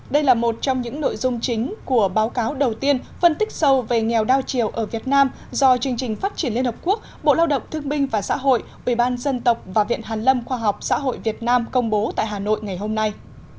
đây là một trong những nội dung chính của báo cáo đầu tiên phân tích sâu về nghèo đa chiều ở việt nam do chương trình phát triển liên hợp quốc bộ lao động thương binh và xã hội ubnd và viện hàn lâm khoa học xã hội việt nam công bố tại hà nội ngày hôm nay